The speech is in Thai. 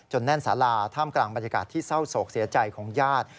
แน่นสาราท่ามกลางบรรยากาศที่เศร้าโศกเสียใจของญาติ